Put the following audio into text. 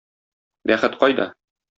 Бәхет кайда?